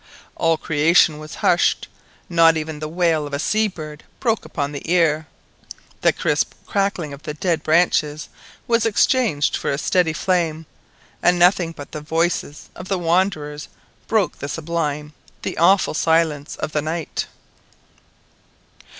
All creation was hushed, not even the wail of a sea bird broke upon the ear, the crisp crackling of the dead branches was exchanged for a steady flame, and nothing but the voices of the wanderers broke the sublime, the awful silence of the night.